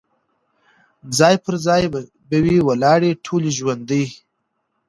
ځاي پر ځای به وي ولاړي ټولي ژرندي